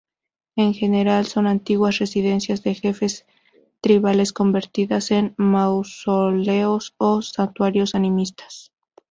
En general, son antiguas residencias de jefes tribales convertidas en mausoleos o santuarios animistas.